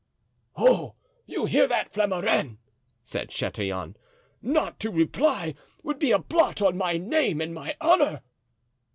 "Oh, you hear that, Flamarens!" said Chatillon. "Not to reply would be a blot on my name and my honor."